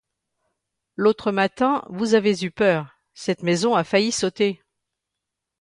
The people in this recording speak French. L'autre matin, vous avez eu peur, cette maison a failli sauter.